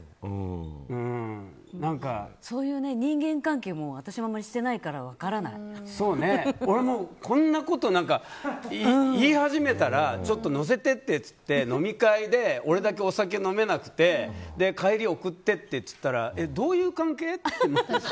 そういう人間関係を私はあまりしてないから俺もこんなこと言い始めたらちょっと乗せてってと言って飲み会で俺だけお酒を飲めなくて帰り送ってっていったらどういう関係？って。